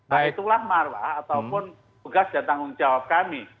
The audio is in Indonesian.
nah itulah marwah ataupun tugas dan tanggung jawab kami